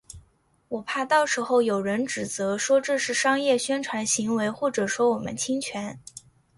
我怕到时候有人指责，说这是商业宣传行为或者说我们侵权